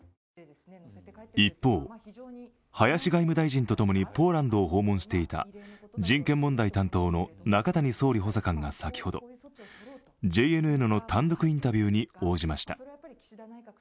一方、林外務大臣と共にポーランドを訪問していた人権問題担当の中谷総理補佐官が先ほどＪＮＮの単独インタビューに応じました。